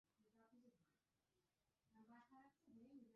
বিশ্বকাপ অধ্যায় শেষ হয়ে যাচ্ছে একজন কিংবদন্তির, বিদায়ী অভ্যর্থনা তাঁর পাওনাই।